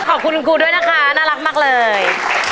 ขอบคุณคุณครูด้วยนะคะน่ารักมากเลย